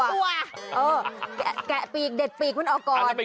เออแกะปลีกเด็ดปลีกมันออกก่อน